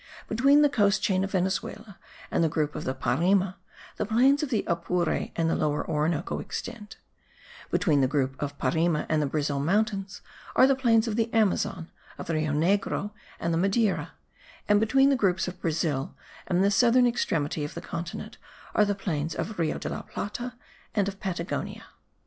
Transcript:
Between the coast chain of Venezuela and the group of the Parime, the plains of the Apure and the Lower Orinoco extend; between the group of Parime and the Brazil mountains are the plains of the Amazon, of the Rio Negro and the Madeira, and between the groups of Brazil and the southern extremity of the continent are the plains of Rio de la Plata and of Patagonia.